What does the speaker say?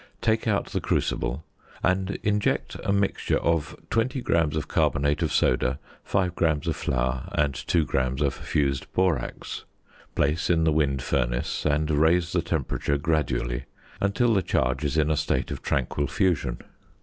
Take out the crucible, and inject a mixture of 20 grams of carbonate of soda, 5 grams of flour, and 2 grams of fused borax. Place in the wind furnace, and raise the temperature gradually until the charge is in a state of tranquil fusion.